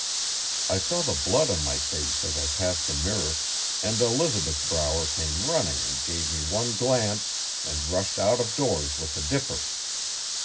I saw the blood on my face as I passed the mirror, and Elizabeth Brower came running and gave me one glance and rushed out of doors with the dipper.